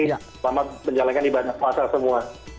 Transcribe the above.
selamat menjalankan ibadah puasa semua